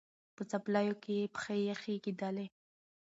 په څپلیو کي یې پښې یخی کېدلې